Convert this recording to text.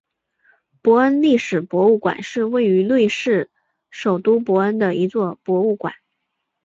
伯恩历史博物馆是位于瑞士首都伯恩的一座博物馆。